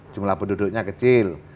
jumlah penduduknya kecil